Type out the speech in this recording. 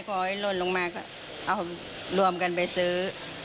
พอให้ลนลงมาก็เอารวมกันไปซื้อ